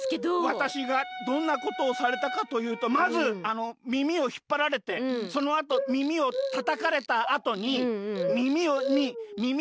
わたしがどんなことをされたかというとまずみみをひっぱられてそのあとみみをたたかれたあとにみみをにみみ。